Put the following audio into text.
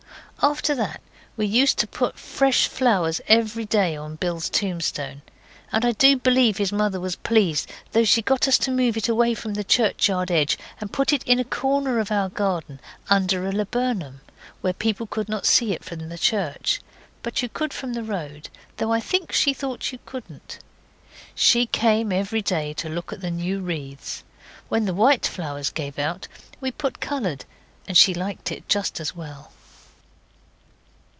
After that we used to put fresh flowers every day on Bill's tombstone, and I do believe his mother was pleased, though she got us to move it away from the churchyard edge and put it in a corner of our garden under a laburnum, where people could not see it from the church. But you could from the road, though I think she thought you couldn't. She came every day to look at the new wreaths. When the white flowers gave out we put coloured, and she liked it just as well.